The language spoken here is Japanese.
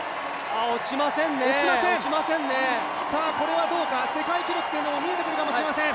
これはどうか、世界記録というのも見えてくるかもしれません。